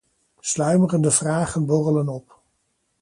Sluimerende vragen borrelen op.